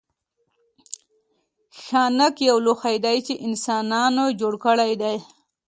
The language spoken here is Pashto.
ښانک یو لوښی دی چې انسانانو جوړ کړی دی